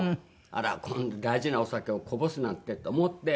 「あらこんな大事なお酒をこぼすなんて」と思って。